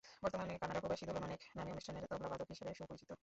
বর্তমানে কানাডা প্রবাসী দোলন অনেক নামী অনুষ্ঠানের তবলা বাদক হিসেবে সুপরিচিত।